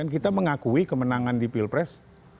kita mengakui kemenangan di pilpres